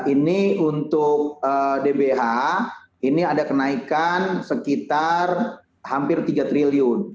ini untuk dbh ini ada kenaikan sekitar hampir tiga triliun